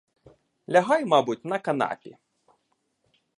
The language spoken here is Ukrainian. Лягай, мабуть, на канапі.